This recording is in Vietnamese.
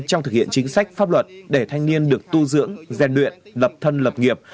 trong thực hiện chính sách pháp luật để thanh niên được tu dưỡng gian luyện lập thân lập nghiệp